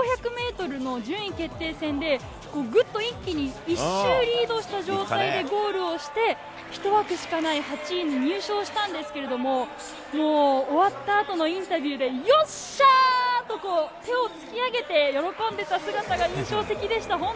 １５００ｍの順位決定戦でぐっと一気に１周リードをした状態でゴールをして１枠しかない８位に入賞したんですけどもう終わったあとのインタビューでよっしゃー！と手を突き上げて喜んでいた姿が印象的でした。